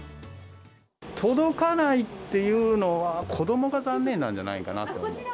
届かないっていうのは、子どもが残念なんじゃないんかなと思う。